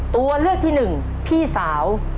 ตัวเลือกที่หนึ่งพี่สาว